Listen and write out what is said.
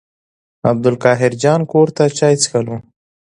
عبدالقاهر جان کور ته چای څښلو.